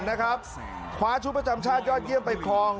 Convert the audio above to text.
นะครับคว้าชุดประจำชาติยอดเยี่ยมไปครอง